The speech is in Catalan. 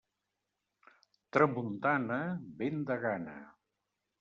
Tramuntana, vent de gana.